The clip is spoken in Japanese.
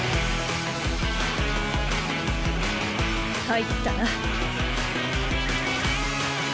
入ったな。